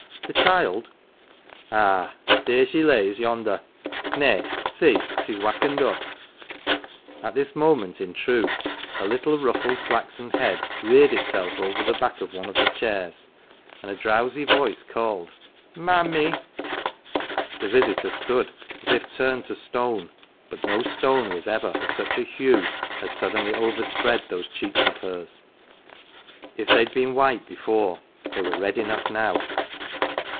" The child ?"" Ah, theer she lays yonder. Nay, see, she's wakkened up." At this moment, in truth, a little ruffled flaxen head reared itself over the back of one of the chairs, and a drowsy voice called " Mammie."' 1 The visitor stood as if turned to stone, but no stone was ever of such a hue as suddenly overspread those cheeks of hers : if they had been white before they were red enough now.